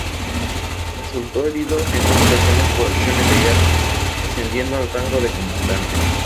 Resultó herido en dos ocasiones por acciones de guerra, ascendiendo al rango de comandante.